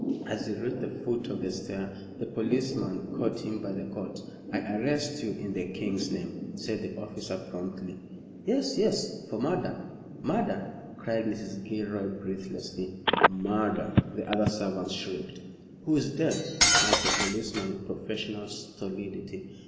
As he reached the foot of the stair the policeman caught him by the coat. "I arrest you in the King's name," said the officer, promptly. "Yes, yes! for murder murder!" cried Mrs. Gilroy, breathlessly. "Murder!" the other servants shrieked. "Who is dead?" asked the policeman, with professional stolidity.